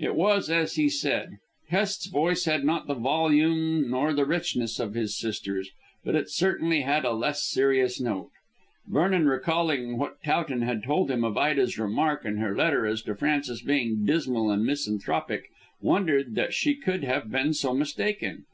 It was as he said. Hest's voice had not the volume or the richness of his sister's, but it certainly had a less serious note. Vernon, recalling what Towton had told him of Ida's remark in her letter as to Francis being dismal and misanthropic, wondered that she could have been so mistaken.